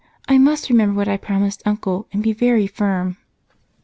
I must remember what I promised Uncle and be very firm."